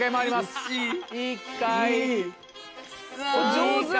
上手。